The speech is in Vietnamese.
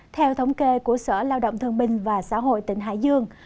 theo thống kê của sở lao động thương binh và xã hội tỉnh hải dương